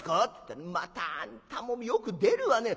またあんたもよく出るわね。